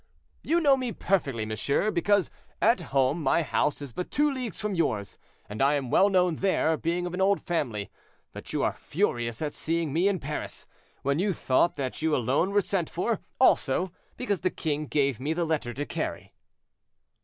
"You know me perfectly, monsieur, because at home my house is but two leagues from yours, and I am well known there, being of an old family; but you are furious at seeing me in Paris, when you thought that you alone were sent for; also, because the king gave me the letter to carry."